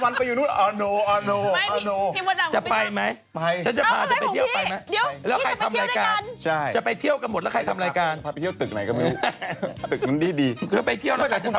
เธอไปเที่ยวหรือเปล่าจะทำไมไม่คุณไปนู่นทำไมคุณต้องเยี่ยม